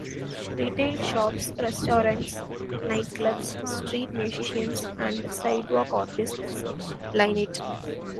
Retail shops, restaurants, nightclubs, street musicians and sidewalk artists line it.